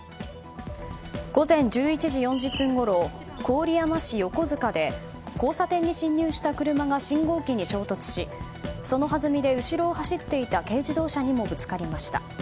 午前１１時４０分ごろ郡山市横塚で交差点に進入した車が信号機に衝突しそのはずみで後ろを走っていた軽自動車にもぶつかりました。